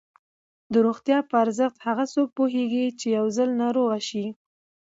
د روغتیا په ارزښت هغه څوک پوهېږي چې یو ځل ناروغ شي.